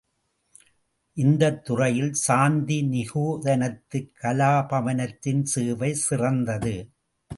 இந்தத் துறையில் சாந்தி நிகேதனத்து கலாபவனத்தின் சேவை சிறந்தது.